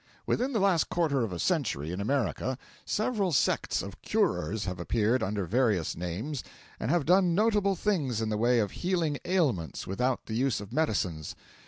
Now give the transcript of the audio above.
Within the last quarter of a century, in America, several sects of curers have appeared under various names and have done notable things in the way of healing ailments without the use of medicines.